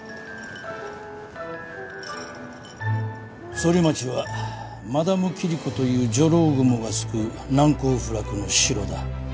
ソリマチはマダムキリコというジョロウグモが巣くう難攻不落の城だ。